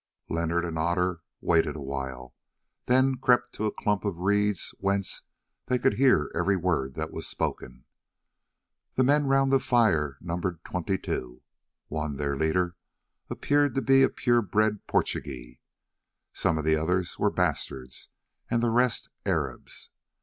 Leonard and Otter waited awhile, then crept to a clump of reeds whence they could hear every word that was spoken. The men round the fire numbered twenty two. One, their leader, appeared to be a pure bred Portugee, some of the others were Bastards and the rest Arabs.